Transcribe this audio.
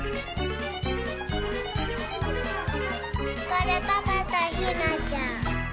これパパとひなちゃん。